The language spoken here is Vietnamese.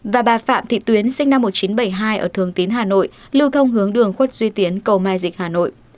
và bà phạm thị tuyến sinh năm một nghìn chín trăm bảy mươi hai ở thường tín hà nội lưu thông hướng đường khuất duy tiến cầu mai dịch hà nội